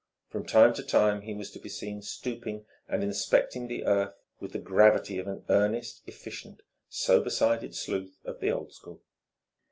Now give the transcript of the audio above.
From time to time he was to be seen stooping and inspecting the earth with the gravity of an earnest, efficient, sober sided sleuth of the old school.